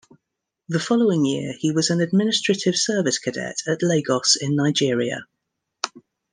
The following year he was an administrative service cadet at Lagos in Nigeria.